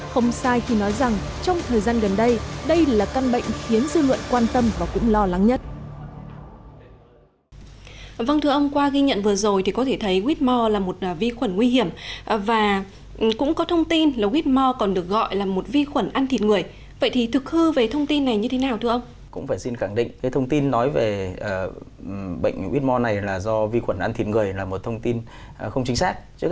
không sai khi nói rằng trong thời gian gần đây đây là căn bệnh khiến dư luận quan tâm và cũng lo lắng nhất